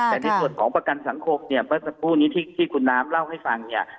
แต่ในส่วนของประกันสังคมเนี่ยเมื่อสักครู่นี้ที่คุณน้ำเล่าให้ฟังเนี่ย